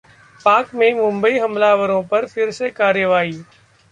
पाक में मुंबई हमलावरों पर फिर से कार्रवाई